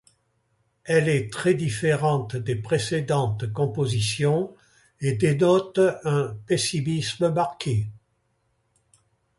Elle est très différente des précédentes compositions, et dénote un pessimisme marqué.